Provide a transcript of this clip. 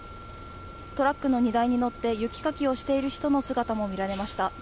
トラックの荷台に乗って、雪かきをしている人の姿もみられました。